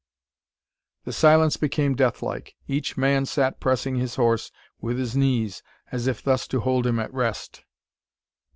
The silence became death like. Each man sat pressing his horse with his knees, as if thus to hold him at rest.